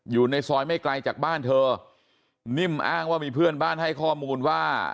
อยู่ในซอยไม่ไกลจากบ้านเธอนิ่มอ้างว่ามีเพื่อนบ้านให้ข้อมูลว่า